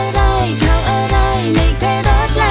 พี่แทนจริงด้วยอ่ะ